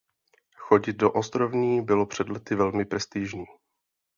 Chodit do „Ostrovní“ bylo před lety velmi prestižní.